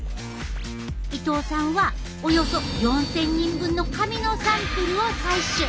伊藤さんはおよそ４，０００人分の髪のサンプルを採取。